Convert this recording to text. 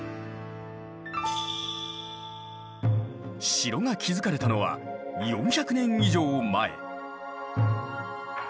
城が築かれたのは４００年以上前。